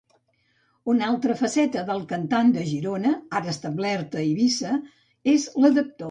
Una altra faceta del cantant de Girona, ara establert a Eivissa, és la d'actor.